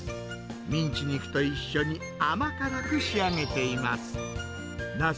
ミンチ肉と一緒に甘辛く仕上げています。